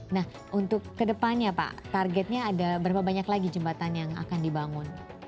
nah untuk kedepannya pak targetnya ada berapa banyak lagi jembatan yang akan dibangun